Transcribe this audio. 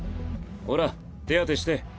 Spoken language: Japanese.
ほら手当てして。